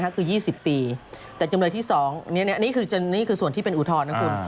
คือ๒๐ปีแต่จำเลยที่๒นี่คือส่วนที่เป็นอุทธรณ์นะคุณ